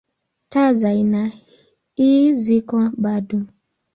Taa za aina ii ziko bado.